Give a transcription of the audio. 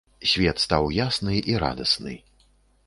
Свет стаў ясны і радасны.